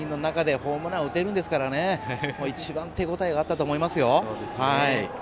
３万９０００人の中でホームランを打てるんですから一番手応えがあったと思いますよ。